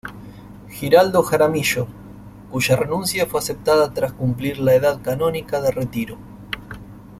Giraldo Jaramillo, cuya renuncia fue aceptada tras cumplir la edad canónica de retiro.